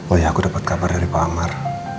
oh ya aku dapat kabar dari pak amar